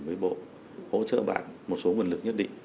với bộ hỗ trợ bạn một số nguồn lực nhất định